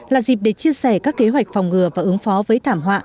là dịp để chia sẻ các kế hoạch phòng ngừa và ứng phó với thảm họa